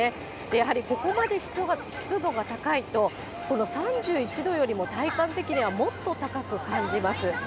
やはりここまで湿度が高いと、この３１度よりも体感的にはもっと高く感じます。